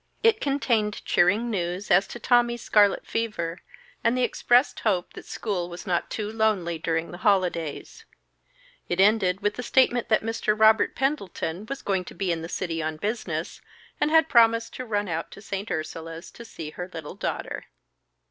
It contained cheering news as to Tommy's scarlet fever, and the expressed hope that school was not too lonely during the holidays; it ended with the statement that Mr. Robert Pendleton was going to be in the city on business, and had promised to run out to St. Ursula's to see her little daughter.